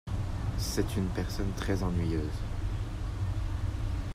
C'est une personne très ennuyeuse.